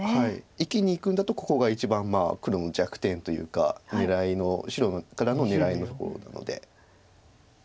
生きにいくんだとここが一番黒の弱点というか狙いの白からの狙いの方なので。